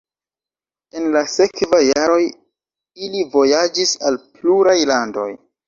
En la sekvaj jaroj ili vojaĝis al pluraj landoj.